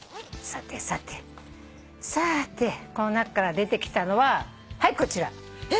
さてこの中から出てきたのははいこちら。